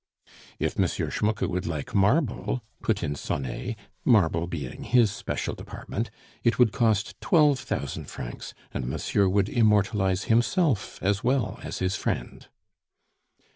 "If M. Schmucke would like marble," put in Sonet (marble being his special department), "it would cost twelve thousand francs, and monsieur would immortalize himself as well as his friend."